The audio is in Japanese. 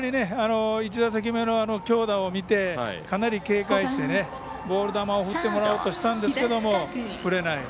１打席目の強打を見てかなり警戒してボール球を振ってもらおうとしたんですけれども振れない。